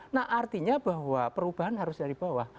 nah artinya bahwa perubahan harus dari bawah